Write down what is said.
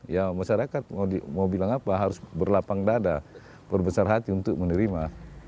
ya masyarakat mau bilang apa harus berlapang dada berbesar hati untuk menerima